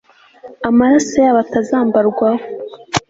amaraso yabo atazambarwaho